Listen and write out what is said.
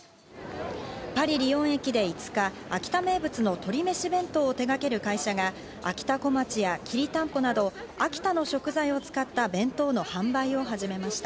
パリ・リヨン駅で５日、秋田名物の鶏めし弁当を手がける会社があきたこまちや、きりたんぽなど秋田の食材を使った弁当の販売を始めました。